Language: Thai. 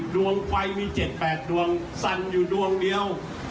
ดวงไฟมี๗๘ดวงสั่นอยู่ดวงเดียว